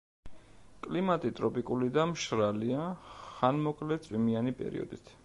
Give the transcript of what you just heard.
კლიმატი ტროპიკული და მშრალია, ხანმოკლე წვიმიანი პერიოდით.